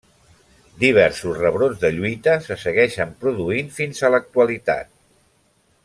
Diversos rebrots de lluita se segueixen produint fins a l'actualitat.